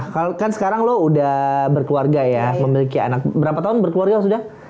kalau kan sekarang lo udah berkeluarga ya memiliki anak berapa tahun berkeluarga sudah